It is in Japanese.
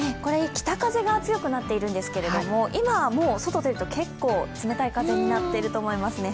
北風が強くなっているんですけども、今はもう外に出ると結構冷たい風になっていると思いますね。